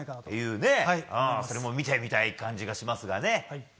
それも見てみたい感じもしますがね。